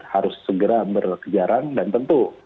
harus segera berkejaran dan tentu